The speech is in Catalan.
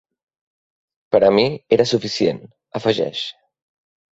Per a mi era suficient, afegeix.